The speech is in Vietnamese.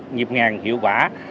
nhịp ngàn hiệu quả